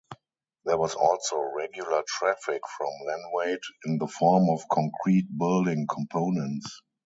There was also regular traffic from Lenwade in the form of concrete building components.